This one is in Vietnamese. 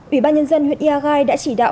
ủy ban nhân dân huyện ia gai đã chỉ đạo